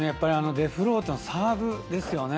デフロートのサーブですよね。